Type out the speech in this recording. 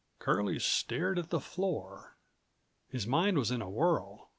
Curlie stared at the floor. His mind was in a whirl.